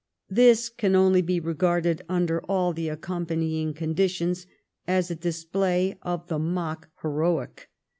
This can only be regarded under all the accompanying conditions as a display of the mock heroic.